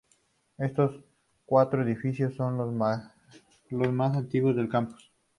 Estos cuatro edificios son los más antiguos del campus.